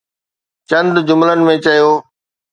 چند جملن ۾ چيو.